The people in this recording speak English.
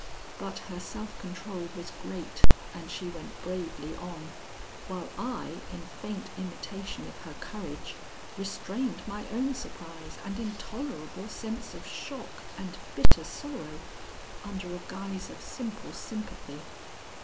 But her self control was great, and she went bravely on, while I, in faint imitation of her courage, restrained my own surprise and intolerable sense of shock and bitter sorrow under a guise of simple sympathy.